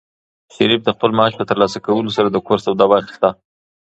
شریف د خپل معاش په ترلاسه کولو سره د کور سودا واخیسته.